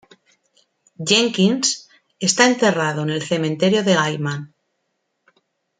Jenkins está enterrado en el cementerio de Gaiman.